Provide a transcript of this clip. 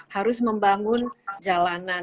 harus membangun jalanan